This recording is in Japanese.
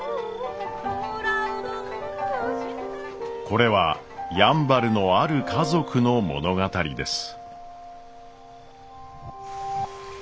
これはやんばるのある家族の物語です。